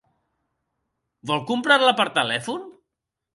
Vol comprar-la per telèfon?